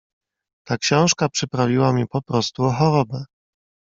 "Ta książka przyprawiła mnie poprostu o chorobę."